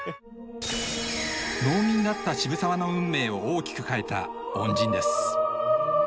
農民だった渋沢の運命を大きく変えた恩人です。